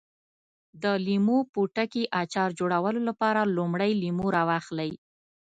د لیمو پوټکي اچار جوړولو لپاره لومړی لیمو راواخلئ.